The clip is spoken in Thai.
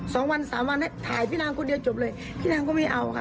สองวันสามวันให้ถ่ายพี่นางคนเดียวจบเลยพี่นางก็ไม่เอาค่ะ